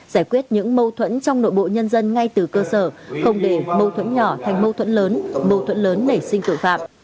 giải quyết những mâu thuẫn trong nội bộ nhân dân ngay từ cơ sở không để mâu thuẫn nhỏ thành mâu thuẫn lớn mâu thuẫn lớn nảy sinh tội phạm